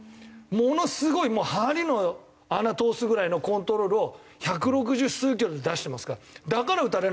ものすごい針の穴通すぐらいのコントロールを百六十数キロで出してますからだから打たれないんですよ。